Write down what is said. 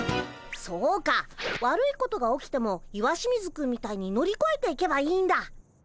そうか悪いことが起きても石清水くんみたいに乗りこえていけばいいんだ。